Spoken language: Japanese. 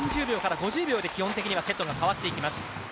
４０秒から５０秒で基本的にはセットが変わっていきます。